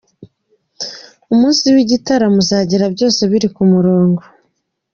Umunsi w’igitaramo uzagera byose biri ku murongo.